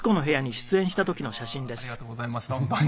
あれはありがとうございました本当に。